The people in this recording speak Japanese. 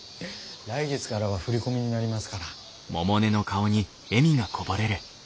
来月がらは振り込みになりますから。